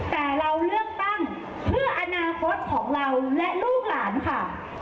แต่เราเลือกตั้งเพื่ออนาคตของเราและลูกหลานค่ะ